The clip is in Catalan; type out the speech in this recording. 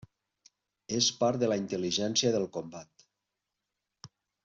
És part de la intel·ligència del combat.